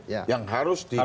yang harus diikuti